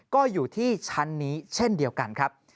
ก็อยู่ที่ชั้นนี้เช่นเดียวกันครับ